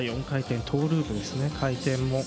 ４回転トーループですね。